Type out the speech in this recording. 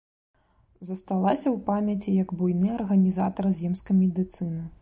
Засталася ў памяці як буйны арганізатар земскай медыцыны.